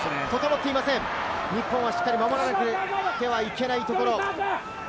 日本はしっかり守らなければいけないところ。